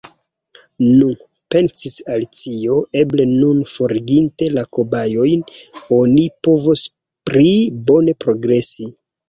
"Nu," pensis Alicio, "eble nun, foriginte la kobajojn, oni povos pli bone progresi."